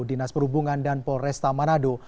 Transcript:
dinas perhubungan dan pol resta manado